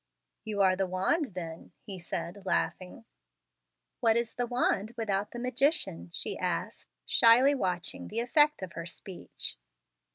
"You are the wand then," he said, laughing. "What is the wand without the magician?" she asked, shyly watching the effect of her speech.